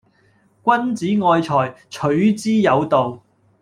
君子愛財，取之有道